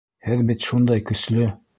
Һеҙ бит шундай көслө...